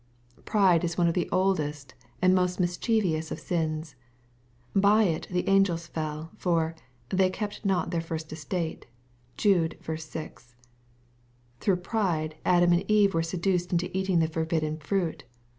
Pride is one of the oldest and most mischievous of sins. By it the angels fell ;— ^for " they kept not theit first estate." (Jude 6.) Through pride Adam and Eve were seduced into eating the forbidden fruit.